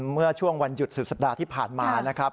เมื่อช่วงวันหยุดสุดสัปดาห์ที่ผ่านมานะครับ